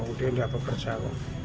mungkin tidak bekerja